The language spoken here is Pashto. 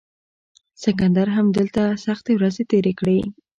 سکندر هم دلته سختې ورځې تیرې کړې